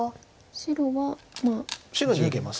白逃げます。